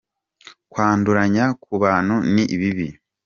Kwanduranya kubantu ni bibi.